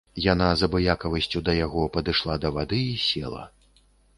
Яна, з абыякавасцю да яго, падышла да вады і села.